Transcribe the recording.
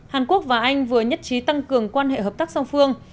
hàn quốc và anh vừa nhất trí tăng cường quan hệ hợp tác song phương